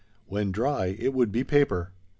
When dry, it would be paper!